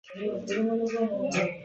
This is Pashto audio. واک د خلکو د باور د له منځه تلو خطر لري.